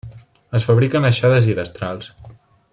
Es fabriquen aixades i destrals.